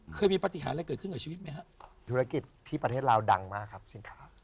เคยมีปฏิหารอะไรเกิดขึ้นกับชีวิตไหมฮะธุรกิจที่ประเทศลาวดังมากครับเช่นครับ